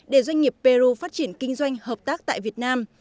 để doanh nghiệp peru phát triển kinh doanh hợp tác tại việt nam